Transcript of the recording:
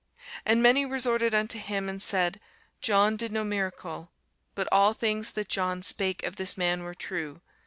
And many resorted unto him, and said, John did no miracle: but all things that John spake of this man were true.